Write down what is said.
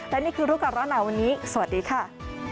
และนี่คือรูปการณ์หนาวันนี้สวัสดีค่ะ